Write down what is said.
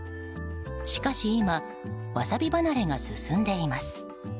しかし今ワサビ離れが進んでいます。